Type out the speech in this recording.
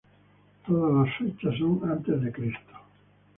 Todas las cifras son antes de Cristo.